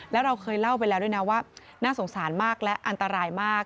แล้วเราเคยเล่าไปแล้วด้วยนะว่าน่าสงสารมากและอันตรายมาก